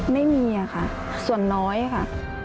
ไม่มีค่ะส่วนน้อยค่ะ